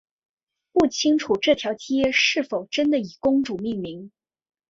不清楚这条街是否真的以公主命名。